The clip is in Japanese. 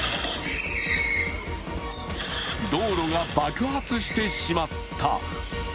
道路が爆発してしまった。